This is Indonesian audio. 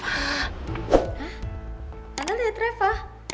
hah tante liat reva